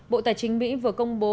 bộ tài chính mỹ vừa công bố